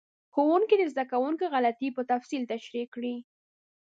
ښوونکي د زده کوونکو غلطۍ په تفصیل تشریح کړې.